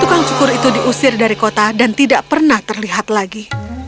tukang cukur itu diusir dari kota dan tidak pernah terlihat lagi